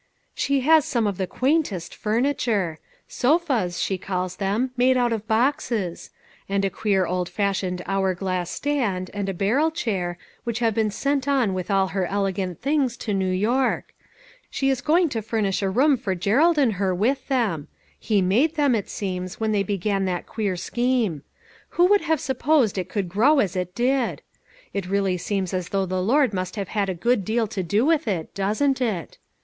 " She has some of the quaintest furniture ! Sofas, she calls them, made out of boxes ; and a queer old fashioned hour glass stand, and a bar rel chair, which have been sent on with all her elegant things, to New York ; she is going to furnish a room for Gerald and her with them ; he made them, it seems, when they bega'n that queer scheme. Who would have supposed it could grow as it did ? It really seems as though the Lord must have had a good deal to do with it, doesn't it